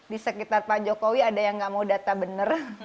di sekitar pak jokowi ada yang nggak mau data benar